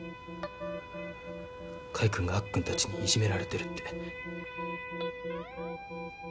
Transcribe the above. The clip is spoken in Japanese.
カイ君があっくんたちにいじめられてるって。